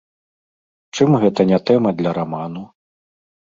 Чым гэта не тэма для раману?